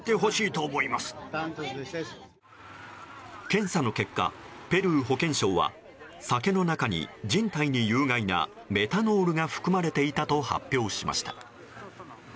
検査の結果、ペルー保健省は酒の中に人体に有害なメタノールが含まれていたと発表しました。